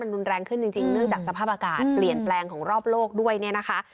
รุนแรงขึ้นจริงเนื่องจากสภาพอากาศเปลี่ยนแปลงของรอบโลกด้วยเนี่ยนะคะ